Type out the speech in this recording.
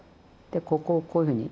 でここをこういうふうに。